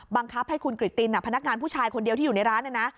บังคับให้คุณกริตตินพนักงานผู้ชายคนเดียวที่อยู่ในร้านเนี่ยนะ